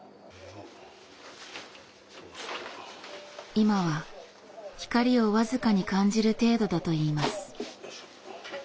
今は光を僅かに感じる程度だといいます。